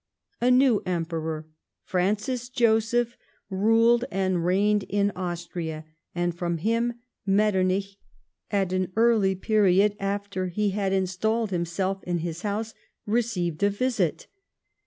A new Emperor, Francis Joseph, ruled and reigned in Austria ; and, from him, Metternich at an early period after he had installed himself in his house, received a visit.